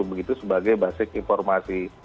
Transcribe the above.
begitu sebagai basic informasi